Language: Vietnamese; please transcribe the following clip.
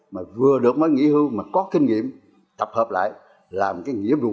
mà vừa được mới nghỉ hưu mà có kinh nghiệm tập hợp lại làm cái nhiệm vụ